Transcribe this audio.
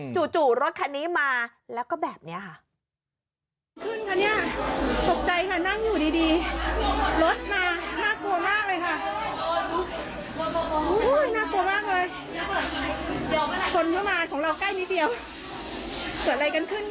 จู่รถคันนี้มาแล้วก็แบบนี้ค่ะ